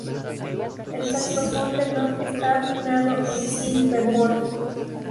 El saxofón tenor está afinado en "si" bemol.